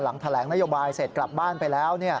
หลังแถลงนโยบายเสร็จกลับบ้านไปแล้ว